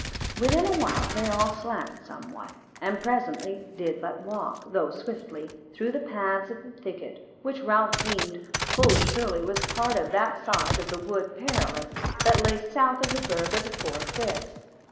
Within a while they all slacked somewhat, and presently did but walk, though swiftly, through the paths of the thicket, which Ralph deemed full surely was part of that side of the Wood Perilous that lay south of the Burg of the Four Friths.